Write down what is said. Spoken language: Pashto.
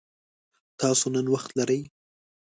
تاسو نن وخت لری؟